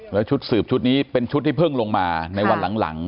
แล้วชุดสืบชุดนี้เป็นชุดที่เพิ่งลงมาในวันหลัง